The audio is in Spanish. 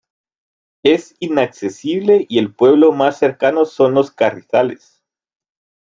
Es inaccesible y el pueblo más cercano son Los Carrizales.